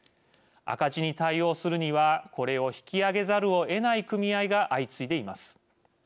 赤字に対応するにはこれを引き上げざるをえない組合が相次いでいます。